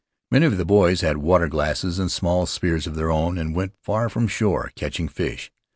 Many of the boys had water glasses and small spears of their own and went far from shore, catching fish.